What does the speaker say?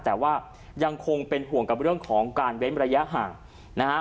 แต่ว่ายังคงเป็นห่วงกับเรื่องของการเว้นระยะห่างนะฮะ